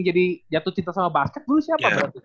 jadi jatuh cinta sama basket dulu siapa